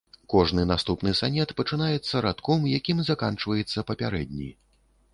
Кожны наступны санет пачынаецца радком, якім заканчваецца папярэдні.